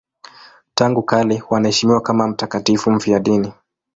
Tangu kale wanaheshimiwa kama mtakatifu mfiadini.